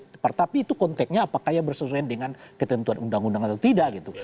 tetapi itu konteknya apakah ya bersesuaian dengan ketentuan undang undang atau tidak gitu